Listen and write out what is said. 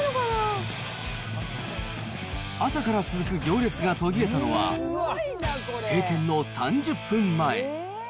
朝から続く行列が途切れたのは、閉店の３０分前。